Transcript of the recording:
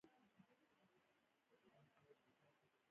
د مسلې په باب دغه نظر ورکړی وو.